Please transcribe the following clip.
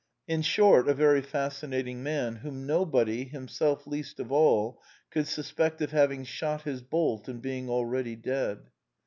In short, a very fasci nating man, whom nobody, himself least of all, could suspect of having shot his bolt and being already dead.